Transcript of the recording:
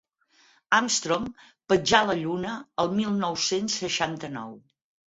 Armstrong petjà la Lluna el mil nou-cents seixanta-nou.